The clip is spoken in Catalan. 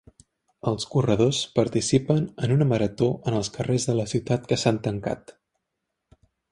Els corredors participen en una marató en els carrers de la ciutat que s'han tancat.